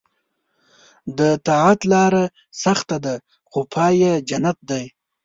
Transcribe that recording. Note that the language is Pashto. د طاعت لاره سخته ده خو پای یې جنت دی.